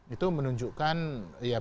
itu menunjukkan ya memang